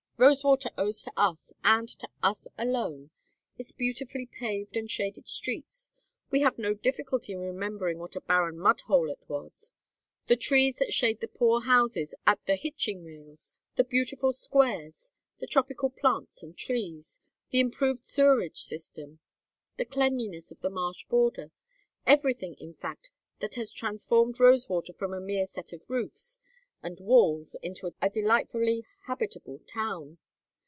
Rosewater owes to us, and to us alone, its beautifully paved and shaded streets we have no difficulty in remembering what a barren mud hole it was the trees that shade the poor horses at the hitching rails; the beautiful squares, the tropical plants and trees, the improved sewerage system, the cleanliness of the marsh border, everything in fact that has transformed Rosewater from a mere set of roofs and walls into a delightfully habitable town.